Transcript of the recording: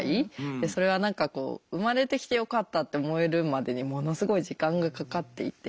でそれは何かこう生まれてきてよかったって思えるまでにものすごい時間がかかっていて。